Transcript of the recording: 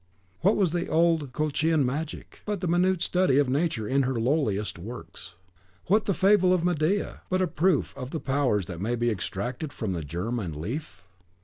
What was the old Colchian magic, but the minute study of Nature in her lowliest works? What the fable of Medea, but a proof of the powers that may be extracted from the germ and leaf?